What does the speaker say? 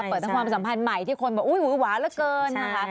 เปิดทั้งความสัมพันธ์ใหม่ที่คนบอกอุ๊ยหวาเหลือเกินนะคะ